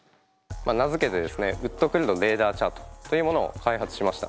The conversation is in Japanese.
名付けてですねウッとくる度レーダーチャートというものを開発しました。